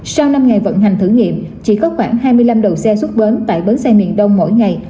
sau năm ngày vận hành thử nghiệm chỉ có khoảng hai mươi năm đầu xe xuất bến tại bến xe miền đông mỗi ngày